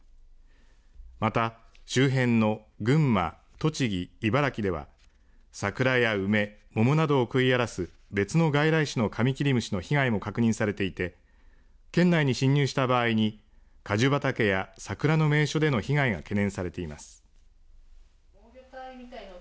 また周辺の群馬栃木茨城では、桜や梅桃などを食い荒らす別の外来種のカミキリムシの被害も確認されていて県内に侵入した場合に果樹畑や桜の名所での被害が懸念されています。